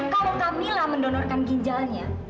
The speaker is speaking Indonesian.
kalau kamila mendonorkan ginjalnya